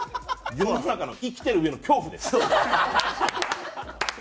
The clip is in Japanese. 世の中の生きてるうえの恐怖です。